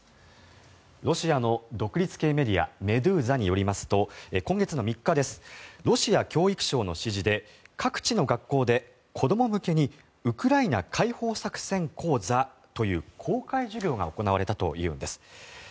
ロシアの独立系メディアメドゥーザによりますと今月の３日ロシア教育省の指示で各地の学校で子供向けにウクライナ解放作戦講座という公開授業が行われたというんです。